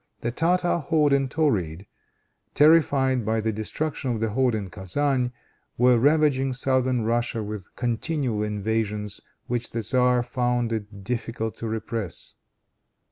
The Tartar horde in Tauride terrified by the destruction of the horde in Kezan, were ravaging southern Russia with continual invasions which the tzar found it difficult to repress.